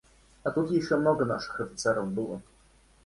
А тут ещё много наших офицеров было.